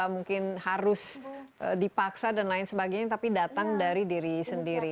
mungkin harus dipaksa dan lain sebagainya tapi datang dari diri sendiri